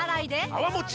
泡もち